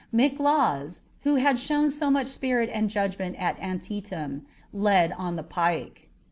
McLaws, who had shown so much spirit and judgment at Antietam, led on the pike.